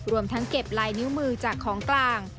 รวมทั้งเก็บลายนิ้วมือจากของกลาง